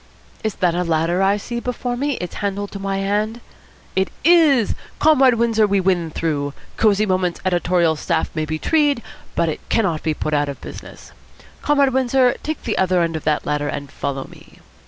"Is that a ladder that I see before me, its handle to my hand? It is! Comrade Windsor, we win through. Cosy Moments' editorial staff may be tree'd, but it cannot be put out of business. Comrade Windsor, take the other end of that ladder and follow me."